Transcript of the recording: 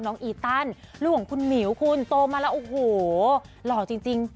อีตันลูกของคุณหมิวคุณโตมาแล้วโอ้โหหล่อจริง